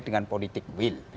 dengan politik will